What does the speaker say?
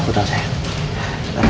aku tahu sayang